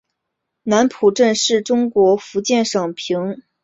南浦镇是中国福建省南平市浦城县已经撤销的一个镇。